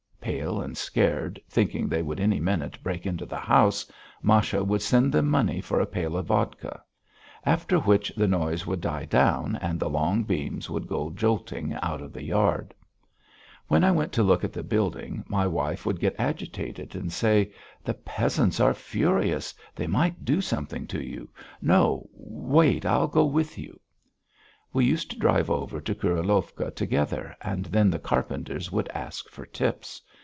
Pale and scared, thinking they would any minute break into the house, Masha would send them money for a pail of vodka; after which the noise would die down and the long beams would go jolting out of the yard. When I went to look at the building my wife would get agitated and say: "The peasants are furious. They might do something to you. No. Wait. I'll go with you." We used to drive over to Kurilovka together and then the carpenters would ask for tips.